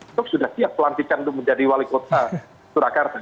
itu sudah siap pelantikan untuk menjadi wali kota surakarta